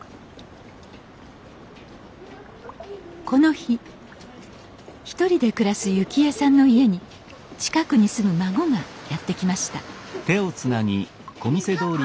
この日１人で暮らす幸江さんの家に近くに住む孫がやって来ましたこんにちは。